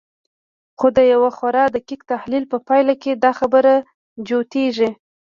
خو د يوه خورا دقيق تحليل په پايله کې دا خبره جوتېږي.